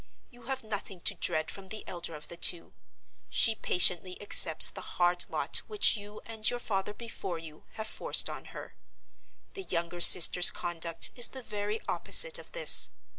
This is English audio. You have nothing to dread from the elder of the two; she patiently accepts the hard lot which you, and your father before you, have forced on her. The younger sister's conduct is the very opposite of this.